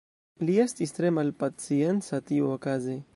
Li estis tre malpacienca tiuokaze.